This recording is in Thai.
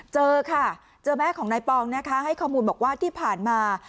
เจอค่ะเจอแม่ของนายปองนะคะให้ข้อมูลบอกว่าที่ผ่านมา